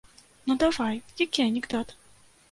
Ну давай, які анекдот?